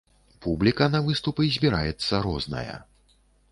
Публіка на выступы збіраецца розная.